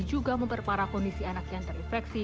juga memperparah kondisi anak yang terinfeksi